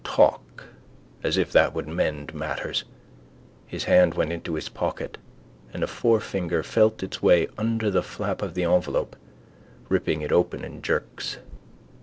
Talk: as if that would mend matters. His hand went into his pocket and a forefinger felt its way under the flap of the envelope, ripping it open in jerks.